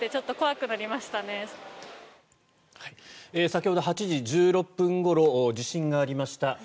先ほど８時１６分ごろ地震がありました。